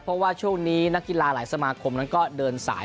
เพราะว่าช่วงนี้นักกีฬาหลายสมาคมนั้นก็เดินสาย